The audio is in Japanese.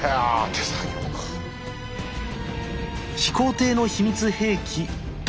始皇帝の秘密兵器弩。